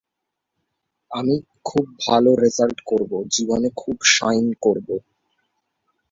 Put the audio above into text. আবার কোনো কোনো বইতে তাঁর বাবার নাম অঞ্জন বা জিন বলে উল্লেখ করা হয়েছে।